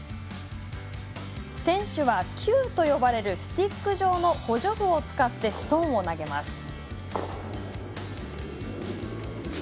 選手は、キューと呼ばれるスティック状の補助具を使ってストーンを投げます。